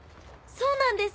そうなんです！